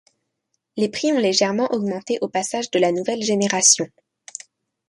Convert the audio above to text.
Les prix ont légèrement augmenté au passage de la nouvelle génération.